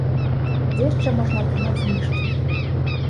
Дзе яшчэ можна атрымаць зніжкі?